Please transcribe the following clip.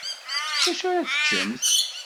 Dacu ara teččemt?